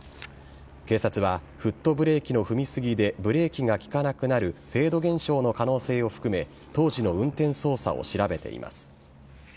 警察はフットブレーキの踏みすぎでブレーキが利かなくなるフェード現象の可能性を含め当時の運転操作を調べています。